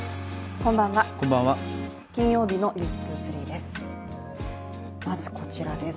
こんばんは、金曜日の「ｎｅｗｓ２３」です。